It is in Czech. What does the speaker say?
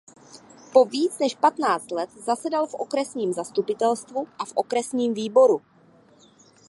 Po víc než patnáct let zasedal v okresním zastupitelstvu a v okresním výboru.